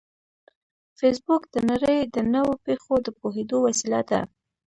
فېسبوک د نړۍ د نوو پېښو د پوهېدو وسیله ده